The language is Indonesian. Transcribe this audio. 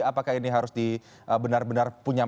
apakah ini harus di benar benar punya